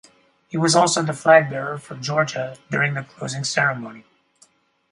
He was also the flag bearer for Georgia during the closing ceremony.